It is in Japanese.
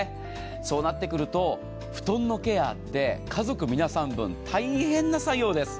そうなってくると布団のケアって家族皆さん分、大変な作業です。